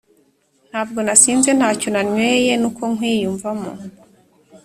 Ntabwo nasinze ntacyo nanyweye nuko nkwiyumvamo